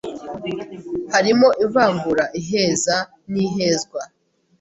harimo ivangura, iheza n’ihezwa